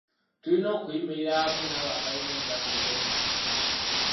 Tulina okuyimirira awamu n'abo abalina endwadde z'omutima